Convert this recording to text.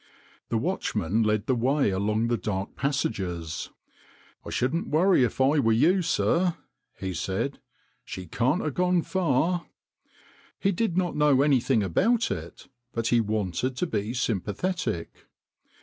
The watchman led the way along the dark passages. " I shouldn't worry if I were you, sir," he said. "She can't have gone far." He did not know anything about it, but he wanted to be sympathetic.